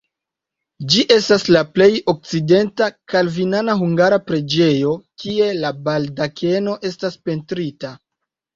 Ĝi estas la plej okcidenta kalvinana hungara preĝejo, kie la baldakeno estas pentrita.